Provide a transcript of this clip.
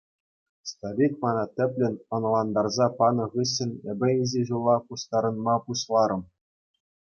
Старик мана тӗплӗн ӑнлантарса панӑ хыҫҫӑн эпӗ инҫе ҫула пуҫтарӑнма пуҫларӑм.